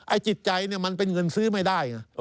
ไอ้จิตใจมันเป็นเงินซื้อไม่ได้